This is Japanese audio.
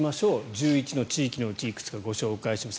１１の地域のうちいくつかご紹介します。